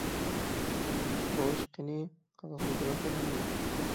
خوش، قېنى، قىلغان گۇناھلىرىڭنى ئېيت!